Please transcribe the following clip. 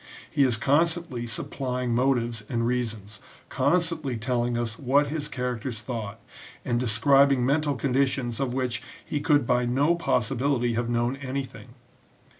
He is constantly supplying motives and reasons, constantly telling us what his characters thought, and describing mental conditions of which he could by no possibility have known anything.